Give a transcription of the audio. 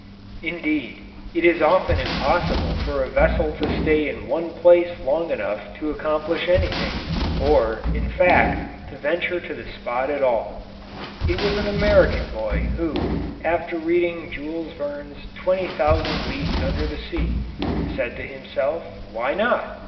Indeed, it is often impossible for a vessel to stay in one place long enough to accomplish anything, or, in fact, to venture to the spot at all. It was an American boy who, after reading Jules Verne's "Twenty Thousand Leagues Under the Sea," said to himself, "Why not?"